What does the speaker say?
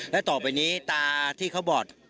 และต่อไปนี้ตาที่เขาบอด